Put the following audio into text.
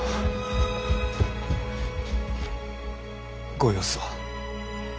ご様子は？